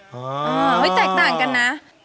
อ๋อเห้ยแตกต่างกันนะ